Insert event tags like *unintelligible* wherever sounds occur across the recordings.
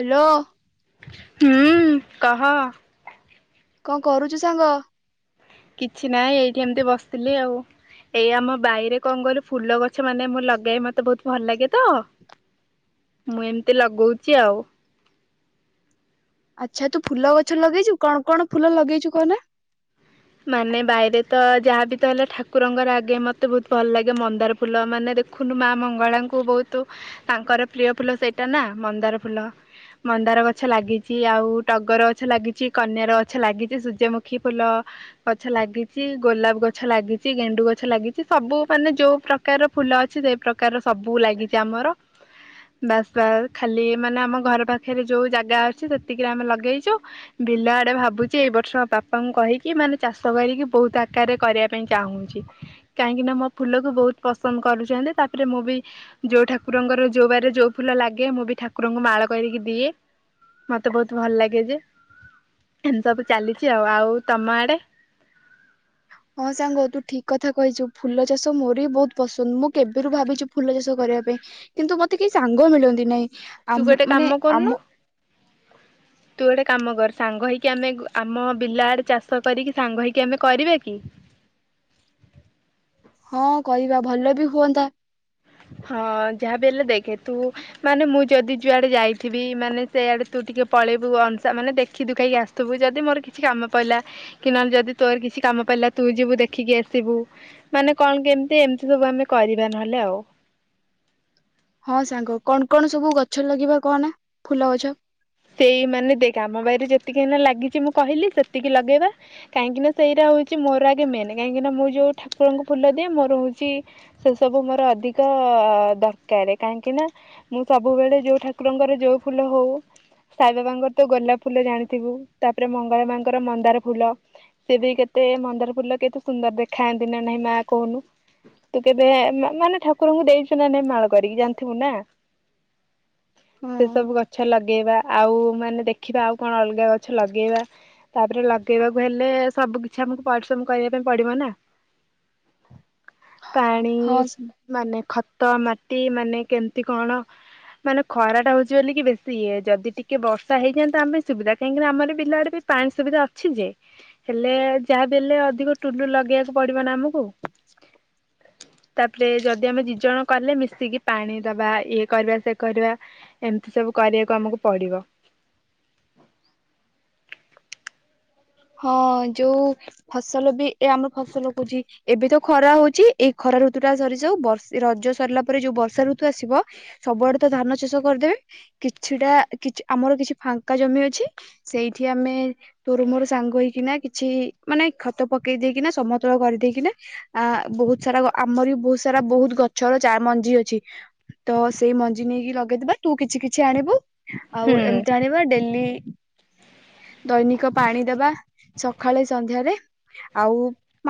Hello. ହୁଁ କହ। କଣ କରୁଛୁ ସାଙ୍ଗ? କିଛି ନାଇ ଏଇଠି ଏମିତି ବସିଥିଲି ଆଉ। ଏଇ ଆମ ବାଇରେ କଣ କହିଲୁ ଫୁଲ ଗଛ ମାନେ ମୁଁ ଲଗାଏ ମତେ ବହୁତ୍ ଭଲ୍ ଲାଗେ ତ। ମୁଁ ଏମିତି ଲଗଉଚି ଆଉ। ଆଚ୍ଛା ତୁ ଫୁଲ ଗଛ ଲଗେଇଚୁ କଣ କଣ ଫୁଲ ଲଗେଇଚୁ କହନା? ମାନେ ବାଇରେ ତ ଯାହା ବି ତ ହେଲେ ଠାକୁରଙ୍କର ଆଗେ ମତେ ବହୁତ୍ ଭଲ୍ ଲାଗେ ମନ୍ଦାର ଫୁଲ ମାନେ ଦେଖୁନୁ ମା ମଙ୍ଗଳାଙ୍କୁ ବହୁତୁ। ତାଙ୍କର ପ୍ରିୟ ଫୁଲ ସେଇଟା ନା ମନ୍ଦାର ଫୁଲ। ମନ୍ଦାର ଗଛ ଲାଗିଚି ଆଉ ଟଗର ଗଛ ଲାଗିଚି କନିଅର ଗଛ ଲାଗିଛି ସୂର୍ଯ୍ୟମୁଖୀ ଫୁଲ। ଗଛ ଲାଗିଚି ଗୋଲାପ ଗଛ ଲାଗିଚି ଗେଣ୍ଡୁ ଗଛ ଲାଗିଚି ସବୁ ମାନେ ଯୋଉ ପ୍ର କାର ଫୁଲ ଅଛି ସେଇ ପ୍ରକାର୍ ର ସବୁ ଲାଗିଚି ଆମର। ବାସ୍ ବା ଖାଲି ମାନେ ଆମ ଘର ପାଖେରେ ଯୋଉ ଜାଗା ଅଛି ସେତିକିରେ ଆମେ ଲଗେଇଚୁ। ବିଲ ଆଡ଼େ ଭାବୁଛି ଏଇ ବର୍ଷ ପାପାଙ୍କୁ କହି କି ମାନେ ଚାଷ କରିକି ବହୁତ ଆକାରେ କରିବା ପାଇଁ ଚାହୁଁଚି। କାହିଁକି ନା ମୋ ଫୁଲକୁ ବହୁତ ପସନ୍ଦ କରୁଛନ୍ତି ତାପରେ ମୁଁ ବି। ଯୋଉ ଠାକୁରଙ୍କର ଯୋଉ ବାରେ ଯୋଉ ଫୁଲ ଲାଗେ ମୁଁ ବି ଠାକୁରଙ୍କୁ ମାଳ କରିକି ଦିଏ। ମତେ ବହୁତ ଭଲ ଲାଗେ ଯେ ଏମିତି ସବୁ ଚାଲିଛି ଆଉ ଆଉ ତମ ଆଡେ। ହଁ ସାଙ୍ଗ ତୁ ଠିକ କଥା କହିଛୁ ଫୁଲ ଚାଷ ମୋରି ବି ବହୁତ ପସନ୍ଦ ମୁଁ କେବେରୁ ଭାବିଚୁ ଫୁଲ ଚାଷ କରିବା ପାଇଁ କିନ୍ତୁ ମତେ କେହି ସାଙ୍ଗ ମିଳନ୍ତି ନାଇଁ ତୁ ଆମ ଗୋଟେ ମାନେ କାମ କରୁନୁ ଆମ। *inaudible* ତୁ ଗୋଟେ କାମ କର ସାଙ୍ଗ ହେଇକି ଆମେ ଗ ଆମ ବିଲ ଆଡ଼େ ଚାଷ କରିକି ସାଙ୍ଗ ହେଇକି ଆମେ କରିବା କି? ହଁ କରିବା ଭଲ ବି ହୁଅନ୍ତା। ହଁ ଯାହାବି ହେଲେ ଦେଖେ ତୁ ମାନେ ମୁଁ ଯଦି ଯୁଆଡେ ଯାଇଥିବି ମାନେ ସେଆଡ଼େ ତୁ ଟିକେ ପଳେଇବୁ ଅନ୍ସା ମାନେ ଦେଖି ଦୁଖାକି ଆ ତୁ ବି ଯଦି ମୋର୍ କିଛି କାମ ପଇଲା କି ନହେଲ୍ ଯଦି ତୋର୍ କିଛି କାମ ପାଇଲା ତୁ ଯିବୁ ଦେଖିକି ଆସିବୁ। ମାନେ କଣ କି ଏମିତି ଏମ୍ତି ସବୁ ଆମେ କରିବା ନହେଲେ ଆଉ। ହଁ ସାଙ୍ଗ କଣ୍ କଣ ସବୁ ଗଛ ଲଗେଇିବା କହନା ଫୁଲ ଗଛ? ସେଇ ମାନେ ଦେଖ ଆମ ବାରିରେ ଯେତିକି ଏଇନେ ଲାଗିଚି ମୁଁ କହିଲି ସେତିକି ଲଗେଇବା। କାହିଁକିନା ସେଇରା ହଉଛି ମୋର୍ ଆଗେ ମେନ୍। କାହିଁକିନା ମୁଁ ଯୋଉ ଠାକୁରଙ୍କୁ ଫୁଲ ଦିଏ ମୋର ହଉଚି ସେ ସବୁ ମୋର ଅଧିକ ଦରକାରେ। କାହିଁକିନା ମୁଁ ସବୁବେଳେ ଯୋଉ ଠାକୁରଙ୍କର ଯୋଉ ଫୁଲ ହଉ ସାଇବାବାଙ୍କର୍ ତ ଗୋଲାପ ଫୁଲ ଜାଣିଥିବୁ, ତାପରେ ମଙ୍ଗଳା ମାଁ ଙ୍କର ମନ୍ଦାର ଫୁଲ। ସେ ବି କେତେ ମନ୍ଦାର ଫୁଲ କେତେ ସୁନ୍ଦର୍ ଦେଖାଯାନ୍ତି ନା ନାଇଁ ମା କହୁନୁ। ତୁ କେବେ ମାନେ ଠାକୁରଙ୍କୁ ଦେଇଚୁ ନା ନାଇଁ ମାଳ କରିକି ଜାଣିଥିବୁ ନା। *inaudible* ସେସବୁ ଗଛ ଲଗେଇବା। ଆଉ ମାନେ ଦେଖିବା ଆଉ କଣ ଅଲଗା ଗଛ ଲଗେଇବା। ତାପରେ ଲଗେଇବାକୁ ହେଲେ ସବୁ କିଛି ଆମକୁ ପରିଶ୍ରମ୍ କରିବାକୁ ପଡ଼ିବ ନା। *inaudible* ପାଣି ହଁ ମାନେ ଖତ, ମାଟି ମାନେ କେମତି କଣ। ମାନେ ଖରା ଟା ହଉଛି ବୋଲିକିି ବେଶୀ ଇଏ। ଯଦି ଟିକେ ବର୍ଷା ହେଇଯାନ୍ତା ଆମେ ସୁବିଧା। କାହିଁକିନା ଆମର ବିଲ ଆଡ଼େ ବି ପାଣି ସୁବିଧା ଅଛି ଯେ। ହେଲେ ଯାହା ବି ହେଲେ ଅଧିକ ଟୁଲୁ ଲଗେଇବାକୁ ପଡ଼ିବ ନା ଆମକୁ। *inaudible* ତାପରେ ଯଦି ଆମେ ଦିଜଣ କଲେ ମିଶିକି ପାଣି ଦବା ଇଏ କରିବା ସେ କରିବା। ଏମତି ସବୁ କରିବାକୁ ଆମକୁ ପଡ଼ିବ। ହଁ ଯୋଉ ଫସଲ ବି ଏ ଆମ ଫସଲ କହୁଚି ଏବେ ତୋ ଖରା ହଉଚି ଏଇ ଖରା ଋତୁ ଟା ସରି ଯାଉ ବର୍ ଏ ରଜ ସରିଲା ପରେ ଯୋଉ ବର୍ଷା ଋତୁ ଆସିବ ସବୁଆଡ଼େ ତ ଧାନ ଚାଷ କରିଦେବେ। କିଛିଟା କିଛ୍ ଆମର କିଛି ଫାଙ୍କା ଜମି ଅଛି ସେଇଠି ଆମେ ତୋର୍ ମୋର ସାଙ୍ଗ ହେଇକିନା କିଛି ମାନେ ଖତ ପକେଇ ଦେଇକିନା ସମତଳ କରିଦେଇକିନା ଆ ବୋହୁତ୍ ସାରା ଆମରି ବି ବୋହୁତ୍ ସାରା ବୋହୁତ୍ ଗଛର ଚା ମଞ୍ଜି ଅଛି। ତ ସେଇ ମଞ୍ଜି ନେଇକି ଲଗେଇ ଦବା। ତୁ କିଛି କିଛି ଆଣିବୁ। ଆଉ ହୁଁ ଏମତି ଆଣିବା। ଡେଲି ଦୈନିକ ପାଣି ଦେବା ସକାଳେ ସନ୍ଧ୍ୟାରେ। ଆଉ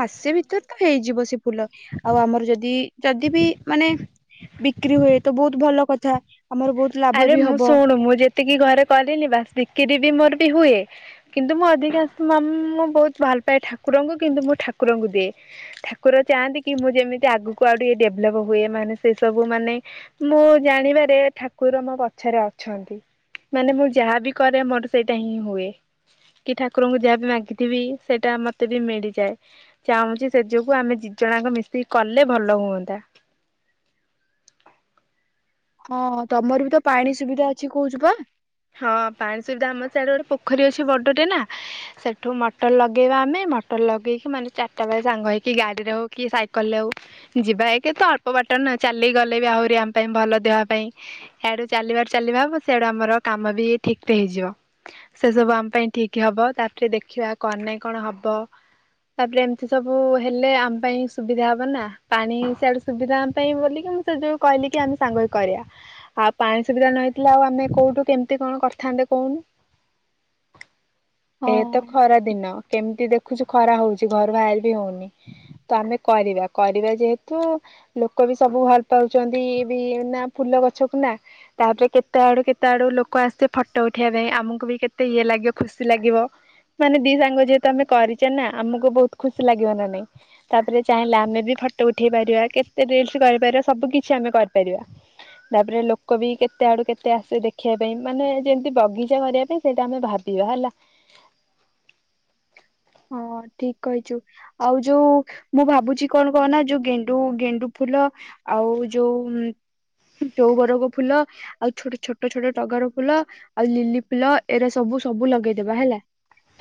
ମାସେ ଭିତରେ ତ ହେଇଯିବ। ସେ ଫୁଲ। ଆଉ ଆମର ଯଦି ଯଦି ବି ମାନେ ବିକ୍ରି ହୁଏ ତ ବୋହୁତ୍ ଭଲ କଥା। ଆମର ବହୁତ୍ ଆରେ ମୁଁ ଶୁଣୁ ମୁଁ ଯେତିକି ଘରେ କରିନି ବାସ୍ ବିକିରି ବି ମୋର୍ ବି ହୁଏ। କିନ୍ତୁ ମୁଁ ଅଧିକାଂଶ ମାମ୍ ମୁଁ ବୋହୁତ୍ ଭଲ ପାଏ ଠାକୁରଙ୍କୁ କିନ୍ତୁ ମୁଁ ଠାକୁରଙ୍କୁ ଦିଏ। ଠାକୁର ଚାହାନ୍ତି କି ମୁଁ ଯେମିତି ଆଗକୁ ଆଉ ଟିକେ ଡେଭ୍ଲପ୍ ହୁଏ ମାନେ ସେ ସବୁ ମାନେ ମୁଁ ଜାଣିବାରେ ଠାକ ଠାକୁର ମୋ ପଛରେ ଅଛନ୍ତି। ମାନେ ମୁଁ ଯାହାବି କରେ ମୋର୍ ସେଇଟା ହିଁ ହୁଏ। କି ଠାକୁରଙ୍କୁ ଯାହା ବି ମାଗିଥିବି ସେଇଟା ମତେ ବି ମିଳିଯାଏ। ଚାହୁଁଚି ସେଇ ଯୋଗୁ ଆମେ ଦି ଜଣ ଯାଙ୍କ ମିଶିକି କଲେ ଭଲ ହୁଅନ୍ତା। ହଁ ତମରି ବି ତ ପାଣି ସୁବିଧା ଅଛି କୋହୁଚୁ ପା? ହଁ ପାଣି ସୁବିଧା ଆମ ସେଆଡ଼େ ଗୋଡ଼େ ପୋଖରୀ ଅଛି ବଡଟେ ନା। ସେଠୁ ମଟର୍ ଲଗେଇବା ଆମେ ମଟର୍ ଲଗେଇକି ମାନେ ଚାରିଟା ବେଳେ ସାଙ୍ଗ ହେଇକି ଗାଡ଼ିରେ ହଉ କି ସାଇକେଲ ରେ ହଉ ଯିବା ଏକେ ରେ ତ ଅଳ୍ପ ବାଟ ନା ଚାଲିକି ଗଲେ ବି ଆହୁରି ଆମ୍ ପାଇଁ ଭଲ ଦେହ ପାଇଁ। ଇଆଡୁ ଚାଲିବାରୁ ଚାଲିବା ହବ ସେଆଡୁ ଆମର କାମ ବି ଠିକ୍ ରେ ହେଇଯିବ। ସେ ସବୁ ଆମ୍ ପାଇଁ ଠିକ୍ ହବ ତାପରେ ଦେଖିବା କଣ ନାଇଁ କଣ ହବ। ତାପରେ ଏମିତି ସବୁ ହେଲେ ଆମ ପାଇଁ ସୁବିଧା ହବ ନା। ପାଣି ସିଆଡୁ ସୁବିଧା ଆମ ପାଇଁ ବୋଲି ତ ଯୋଉ କହିଲି କି ଆମେ ସାଙ୍ଗ ହେଇକି କରିବା। ଆଉ ପାଣି ସୁବିଧା ନହେଇଥିଲେ ଆଉ ଆମେ କୋଉଠୁ କେମିତି କଣ କରିଥାନ୍ତେ କହୁନୁ? ଏ ତ ହଁ ଖରା ଦିନ କେମିତି ଦେଖୁଛୁ ଖରା ହଉଛି ଘରୁ ବାହାରି ତାହା ବି ହୋଉନି ତ ଆମେ କରିବା କରିବା ଯେହେତୁ ଲୋକ ବି ସବୁ ଭଲ ପାଉଚନ୍ତି ଏଇବି ନା ଫୁଲ ଗଛକୁ ନା? ତାପରେ କେତେ ଆଡୁ କେତେ ଆଡୁ ଲୋକ ଲୋକ ଆସିବେ ଫଟୋ ଉଠେଇବା ପାଇଁ ଆମକୁ ବି କେତେ ଇଏ ଲାଗିବ ଖୁସି ଲାଗିବ। ମାନେ ଦି ସାଙ୍ଗ ଯେହେତୁ ଆମେ କରିଚେ ନା ଆମକୁ ବୋହୁତ୍ ଖୁସି ଲାଗିବ ନା ନାଇଁ? ତାପରେ ଚାହିଁଲେ ଆମେ ବି ଫଟୋ ଉଠେଇ ପାରିବା କେତେ ରିଲସ୍ କରିପାରିବା ସବୁ କିଛି ଆମେ କରିପାରିବା। ତାପରେ ଲୋକ ବି କେତେ ଆଡୁ କେତେ ଆସିବେ ଦେଖି ଦେଖିବା ପାଇଁ ମାନେ ଯେମିତି ବଗିଚା କରିବା ପାଇଁ ସେଇଟା ଆମେ ଭାବିବା ହେଲା। ହଁ ଠିକ୍ କହିଚୁ। ଆଉ ଯୋଉ ମୁଁ ଭାବୁଛି କଣ କହ ନା ଯୋଉ ଗେଣ୍ଡୁ ଗେଣ୍ଡୁ ଫୁଲ ଆଉ ଯୋଉ ଚୋଉବରକ ଫୁଲ। ଆଉ ଛୋଟ ଛୋଟ ଛୋଟ ଟଗର ଫୁଲ ଆଉ ଲିଲି ଫୁଲ ଏରା ସବୁ ସବୁ ଲଗେଇଦବା ହେଲା।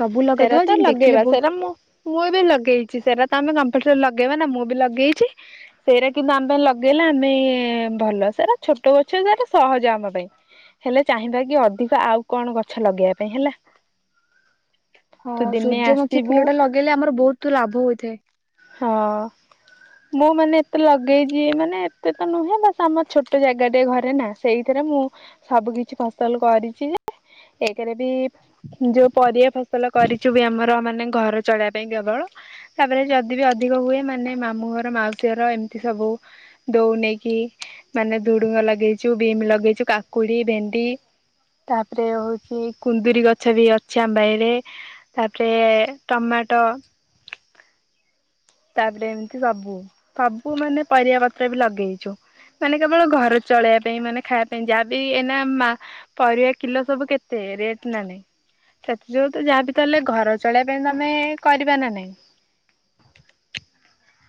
ସବୁ ସେରା ଲଗେଇଦବା ତ ଯେମିତି ଦେଖିଲେ ଲଗେଇବା ବହୁତ ସେରା ମୁଁ ପୁଅ ବି ଲଗେଇଚି ସେରା ତ ଆମେ କମ୍ପଲ୍ ସରି ଲଗେଇବା ନା ମୁଁ ବି ଲଗେଇଛି। ସେଇରା କିନ୍ତୁ ଆମେ ଲଗେଇଲେ ଆମେ ଭଲ ସେରା ଛୋଟ ଗଛ ସେରା ସହଜ ଆମ ପାଇଁ। ହେଲେ ଚାହିଁବା କି ଅଧିକ ଆଉ କଣ ଗଛ ଲଗେଇବା ପାଇଁ ହେଲା। ହଁ ତୁ ଦିନେ ସୂର୍ଯ୍ୟମୁଖୀ ଆସିବୁ ଫୁଲ ଟା ଲଗେଇଲେ ଆମର୍ ବୋହୁତ୍ ଲାଭ ହୋଇଥାଏ। ହଁ। ମୁଁ ମାନେ ଏତେ ଲଗେଇଚି ମାନେ ଏତେ ତ ନୁହେଁ ବାସ୍ ଆମର୍ ଛୋଟ ଜାଗା ଟେ ଘରେ ନା? ସେଇଥିରେ ମୁଁ ସବୁ କିଛି ଫସଲ୍ କରିଚି ଯେ ଏକେ ରେ ବି ଯୋଉ ପରିବା ଫ ଫସଲ କରିଚୁ ବି ଆମର ମାନେ ଘର ଚଳେଇବା ପାଇଁ କେବଳ ତାପରେ ଯଦି ବି ଅଧିକ ହୁଏ ମାନେ ମାମୁଁ ଘର ମାଉସୀ ଘର ଏମିତି ସବୁ ଦୋଉ ନେଇେକି ମାନେ ଧୁଡୁଙ୍ଗ ଲଗେଇଚୁ, ବିମ୍ ଲଗେଇଚୁ, କାକୁଡ଼ି, ଭେଣ୍ଡି। ତାପରେ ହୋଉଚି କୁନ୍ଦୁରି ଗଛ ବି ଅଛି ଆମ ବାଇରେ। ତାପରେ ଟମାଟ ତାପରେ ଏମିତି ସବୁ ସବୁ ମାନେ ପରିବା ପତ୍ର ବି ଲଗେଇଚୁ। ମାନେ କେବଳ ଘର ଚଳେଇବା ପାଇଁ ମାନେ ଖାଇବା ପାଇଁ ଯାହାବି ଏଇନା ମା ପରିବା କିଲ ସବୁ କେତେ ରେଟ୍ ନା ନାହିଁ? ସେଥିଯୋଗୁ ତ ଯାହାବି ତାହଲେ ଘର ଚଳେଇବା ପାଇଁ ତମେ କରିବା ନା ନାହିଁ? *inaudible*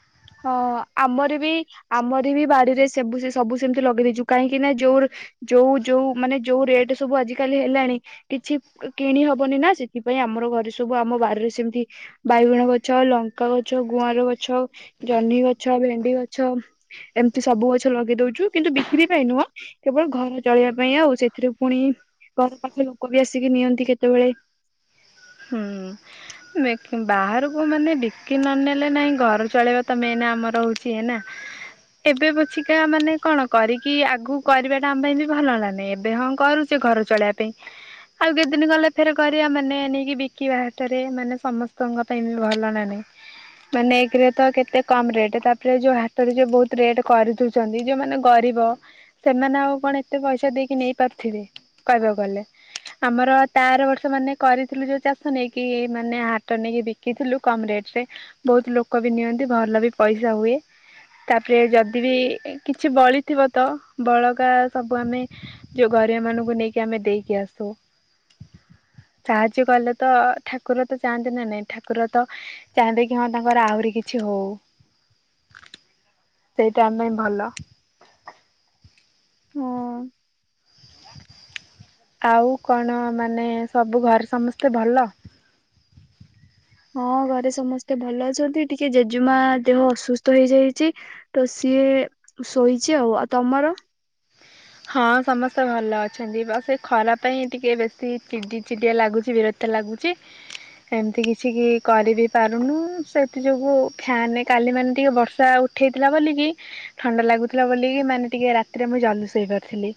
ହଁ ଆମର ବି ଆମର ବି ବାଡିରେ ସେବୁ ସବୁ ସେମିତି ଲଗେଇ ଦେଇଛୁ କାହିଁକିନା ଯୋଉ ଯୋଉ ଯୋଉ ମାନେ ଯୋଉ ରେଟ ସବୁ ଆଜିିକାଲି ହେଲାଣି। କିଛି କିଣି ହବନି ନା ସେଥିପାଇଁ ଆମର ଘରେ ସବୁ ଆମ ବାରରେ ସେମିତି ବାଇଗଣ ଗଛ, ଲଙ୍କା ଗଛ, ଗୁଆର ଗଛ, ଜହ୍ନି ଗଛ, ଭେଣ୍ଡି ଗଛ। ଏମିତି ସବୁ ଗଛ ଲଗେଇ ଦଉଛୁ କିନ୍ତୁ ବିକ୍ରି ପାଇଁ ନୁହଁ। କେବଳ ଘର ଚଳିବା ପାଇଁ ଆଉ ସେଥିରୁ ପୁଣି ଘର ପାଖ ଲୋକ ବି ଆସିକି ନିଅନ୍ତି କେତେବେଳେ। ହୁଁ। ମେ ବାହାରକୁ ମାନେ ବିକି ନନେଲେ ନାହିଁ ଘର ଚଳେଇବା ତ ମେନ୍ ଆମର ହେଉଛି ହେନା। ଏବେ ପଛିିକା ମାନେ କଣ କରି କି ଆଗକୁ କରିବାଟା ଆମ ପାଇଁ ବି ଭଲ ନା ନାଇଁ? ଏବେ ହଁ କରୁଛେ ଘର ଚଳେଇବା ପାଇଁ। ଆଉ କେତେଦିନ ଗଲେ ଫେର କରିବା ମାନେ ନେଇ ବିକିବା ହାଟରେ ମାନେ ସମସ୍ତଙ୍କ ପାଇଁ ବି ଭଲ ନା ନାଇ? ମାନେ ଏକରେ ତ କେତେ କମ ରେଟ୍ ତାପରେ ଯୋଉ ହାତରେ ଯୋଉ ବହୁତ ରେଟ କରିୁଛିଦୋଉ ଯୋଉମାନେ ଗରିବ ସେମାନେ ଆଉ କଣ ଏତେ ପଇସା ଦେଇକି ନେଇ ପାରୁଥିବେ? କହିବାକୁ ଗଲେ ଆମର ତାର ବର୍ଷ ମାନେ କରିଥିଲୁ ଯୋଉ ଚାଷ ନେଇକି ମାନେ ହାଟ ନେଇକି ବିକିଥିଲୁ କମ ରେଟ ରେ। ବହୁତ ଲୋକ ବି ନିଅନ୍ତି ଭଲ ବି ପଇସା ହୁଏ। ତାପରେ ଯଦି ବିି କିଛି ବଳିଥିବ ତ ବଳକା ସବୁ ଆମେ ଯୋଉ ଗରିବ ମାନଙ୍କୁ ନେଇକି ଆମେ ଦେଇକି ଆସୁ ସାହାଯ୍ୟ କଲେ ତ ଠାକୁର ତ ଚାହାନ୍ତି ନା ନାଇଁ ଠାକୁର ତ ଚାହାନ୍ତି କି ହଁ ତାଙ୍କର ଆହୁରି କିଛି ହୋଉ। *inaudible* ସେଇଟା ଆମ ପାଇଁ ଭଲ। ହୁଁ। ଆଉ କଣ ମାନେ ସବୁ ଘରେ ସମସ୍ତେ ଭଲ। ହଁ ଘରେ ସମସ୍ତେ ଭଲ ଅଛନ୍ତି ଟିକେ ଜେଜେମା ଦେହ ଅସୁସ୍ଥ ହେଇଯାଇଚି। ତ ସିଏ ଶୋଇଛି ଆଉ ଆଉ ତମର? ହଁ ସମସ୍ତେ ଭଲ ଅଛନ୍ତି ବାସ୍ ଏଇ ଖରା ପାଇଁ ଟିକେ ବେଶୀ ଚିଡି ଚିଡିଆ ଲାଗୁଚି ବିର କ୍ତିଆ ଲାଗୁଛି। ଏମିତି କିଛି କି କରିିବି ପାରୁନୁ ସେଥି ଯୋଗୁ ଫ୍ୟାନେ କାଲି ମାନେ ଟିକେ ବର୍ଷା ଉ ଠେଇଥିଲା ବୋଲିକି ଥଣ୍ଡା ଲାଗୁଥୁଲା ବୋଲିକି ମାନେ ଟିକେ ରାତିରେ ମୁଁ ଜଲ୍ଦୀ ସୋଇ ପା ଥିଲି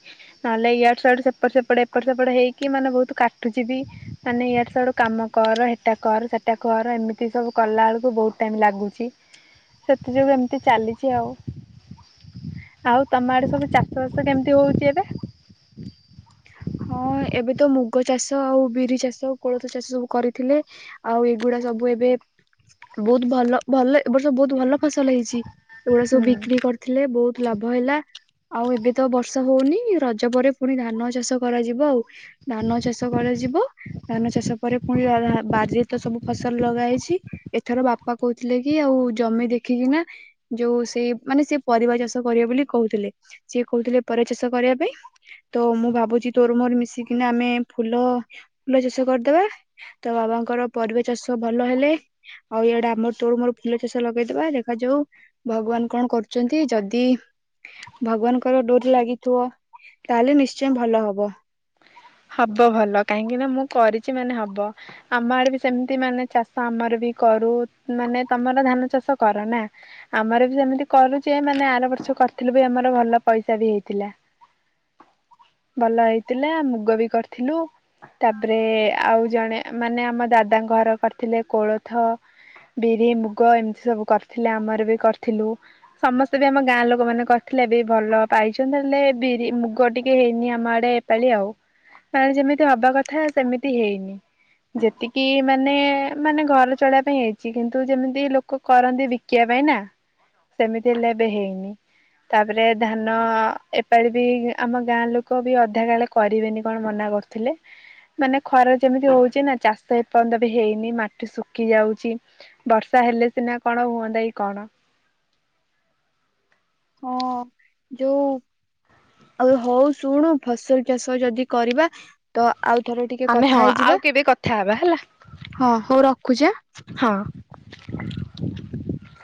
ନହେଲେ ଇଆଡୁ ସୁଆଡୁ ସେପଟ ସେପଟ ଏପଟ ସେପଟ ହେଇକି ମାନେ ବୋହୁତ କାଟୁଛିବି ମାନେ ୟାଡୁ ସିୟାଡୁ କାମ କର ହେଟା କର ସେଟା କର ଏମିତି ସବୁ କଲା ଆଳୁକୁ ବୋହୁତ ଟାଇମ ଲାଗୁଛି। ସେଥି ଯୋଗୁ ଏମିତି ଚାଲିଛି ଆଉ ଆଉ ତମ ଆଡେ ସବୁ ଚାଷ ବାସ କେମ୍ ତି ହୋଉଚି ଏବେ। ହଁ ଏବେ ତ ମୁଗ ଚାଷ ଆଉ ବିରି ଚାଷ ଆଉ କୋଳୋଥୋ ଚାଷ ସବୁ କରିଥିଲେ। ଆଉ ଏଗୁଡା ସବୁ ଏବେ ବୋହୁତ ଭଲ ଭଲ ଏ ବର୍ଷ ସବୁ ବୋହୁତ ଭଲ ଫସଲ ହେଇଛି। ଏଗୁଡା ସବୁ ହୁଁ ବିକ୍ରି କରି ଥିଲେ ବୋହୁତ ଲାଭ ହେଲା ଆଉ ଏବେ ତ ବର୍ଷା ହୋଉନି ରଜ ପରେ ଫୁଣି ଧାନ ଚାଷ କରାଯିବ ଆଉ ଧାନ ଚାଷ କରାଯିବ ଧାନ ଚାଷ ପରେ ପୁଣି *unintelligible* ବାରି ତ ସବୁ ଫସଲ ଲଗା ହେଇଛି ଏଥର ବାପା କୋହୁଥିଲେ କି ଆଉ ଜମି ଦେଖିକିନା ଯୋଉ ସେଇ ମାନେ ସେ ପରିବା ଚାଷ କରିବା ବୋଲି କୋହୁଥିଲେ ସିଏ କୋହୁଥୁଲେ ପରିବା ଚାଷ କରିବା ପାଇଁ। ତ ମୁଁ ଭାବୁଛି ତୋରୋ ମୋରୋ ମିଶିକିନା ଆମେ ଫୁଲ ଫୁଲ ଚାଷ କରିଦବା। ତ ବାବାଙ୍କର ପରିବା ଚାଷ ଭଲ ହେଲେ। ଆଉ ଇଆଡେ ଆମର ତୋରୋ ମୋରୋ ଫୁଲ ଚାଷ ଲଗେଇଦବା ଦେଖାଯାଉ ଭଗବାନ କଣ କରୁଚନ୍ତି ଯଦି ଭଗବାନଙ୍କର ଡୋରି ଲାଗିଥିବ ତାହେଲେ ନିଶ୍ଚୟ ଭଲ ହବ। ହବ ଭଲ କାହିଁକି ନା ମୁଁ କରିଚି ମାନେ ହବ। ଆମ ଆଡେ ବି ସେମିତି ମାନେ ଚାଷ ଆମର ବି କରୁ ମାନେ ତମର ଧାନ ଚାଷ କର ନା? ଆମର ବି ସେମିତି କରୁଚୁ ଯେ ମାନେ ଆର ବର୍ଷ କରିଥିଲୁ ବି ଆମର ଭଲ ପଇସା ବି ହେଇଥିଲା। *inaudible* ଭଲ ହେଇଥିଲା ମୁଗ ବି କରିଥିଲୁ। ତାପରେ ଆଉ ଜଣେ ମାନେ ଆମ ଦାଦାଙ୍କ ଘର କରିଥିଲେ କୋଳୋଥ। ବିରି ମୁଗ ଏମିତି ସବୁ କରିଥିଲେ ଆମର ବି କରିଥିଲୁ। ସମସ୍ତେ ବି ଆମ ଗାଁ ଲୋକୋ ମାନେ କରିଥିଲେ ବି ଭଲ ପାଇଛନ୍ତି ହେଲେ ବିରି ମୁଗ ଟିକେ ହେଇନି ଆମ ଆଡ଼େ ଏ ପାଳି ଆଉ ୟାଡେ ଯେମିତି ହବା କଥା ସେମିତି ହେଇନି। ଯେତିକି ମାନେ ମାନେ ଘର ଚଳେଇବା ପାଇଁ ହେଇଚି କିନ୍ତୁ ଯେମିତି ଲୋକୋ କରନ୍ତି ବି କିବା ପାଇଁ ନା ସେମିତି ହେଲେ ଏବେ ହେଇନି। ତାପରେ ଧାନ ଏପାଳି ବି ଆମ ଗାଁ ଲୋକୋ ବି ଅଧା କାଳେ କରି ବେନି କଣ ମନା କରୁଥୁଲେ। ମାନେ ଖରା ଯେମିତି ହୋଉଚି ନା ଚାଷ ଏପନ୍ତ ବି ହେଇନି ମାଟି ଶୁକି ଯାଉଚି। ବର୍ଷା ହେଲେ ସିନା କଣ ହୁଅନ୍ତା କି କଣ। ହଁ ଯୋଉ ଆଉ ହୋଉ ଶୁଣୁ ଫସଲ ଚାଷ ଯଦି କରିବା। ତ ଆଉ ଥରେ ଟିକେ ଆମେ କଥା ହଁ ଆଉ ହେଇଯିବା କେବେ କଥା ହବା ହେଲା ହଁ ହୋଉ ରଖୁଚି ଆଁ। ହଁ।